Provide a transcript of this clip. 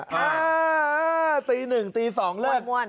อ้าาาาาตีหนึ่งถึงตีสองเริ่ม